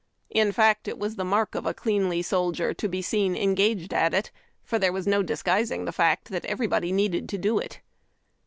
In fact, it was the mark of a cleanly soldier to be seen engaged at it, for there was no disguising the fact that everybody needed to do it.